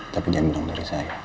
tapi dia bilang dari saya